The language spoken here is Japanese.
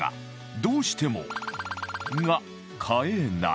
どうしてもが買えない